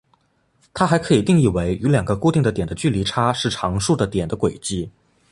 它还可以定义为与两个固定的点的距离差是常数的点的轨迹。